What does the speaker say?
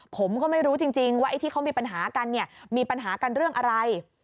ผมก็ไม่รู้จริงว่าไอ้ที่เขามีปัญหากันเนี่ยมีปัญหากันเรื่องอะไร